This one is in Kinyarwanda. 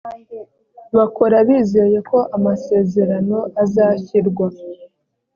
bakora bizeye ko amasezerano azashyirwa